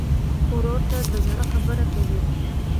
ورور ته د زړه خبره کوې.